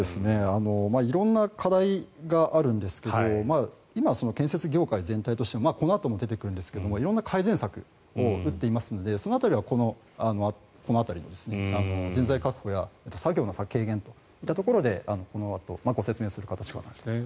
色んな課題があるんですが今、建設業界全体としてもこのあとも出てくるんですが色んな改善策を打っていますのでその辺りは、この辺りの人材確保や作業の軽減というところでこのあとご説明する形かと思います。